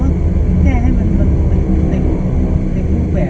เพราะฉะนั้นมันต้องรอคนมากกว่าที่เราอยากฝากกันทุกท่าทาง